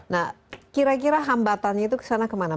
nah kira kira hambatannya itu kesana kemana